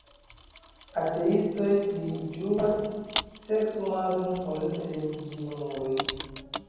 Ateistoj pli ĝuas seksumadon ol religiemuloj.